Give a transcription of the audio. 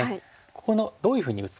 ここのどういうふうに打つか。